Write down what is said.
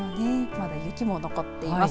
まだ雪も残っています。